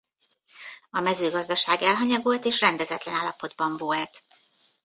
A mezőgazdaság elhanyagolt és rendezetlen állapotban volt.